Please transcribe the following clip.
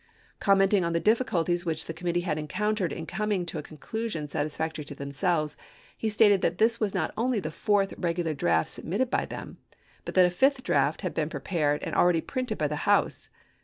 Commenting on the difficulties which the committee had encountered in coming to a con clusion satisfactory to themselves, he stated that this was not only the fourth regular draft sub mitted by them, but that a fifth draft had been ibid., p. 934. prepared and already printed by the House.